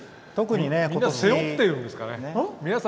みんな背負ってるんですかね。